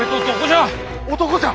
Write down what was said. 男じゃ！